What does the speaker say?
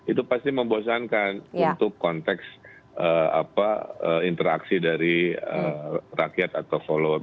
itu pasti membosankan untuk konteks interaksi dari rakyat atau follower